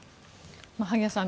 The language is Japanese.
萩谷さん